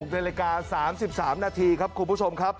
นาฬิกา๓๓นาทีครับคุณผู้ชมครับ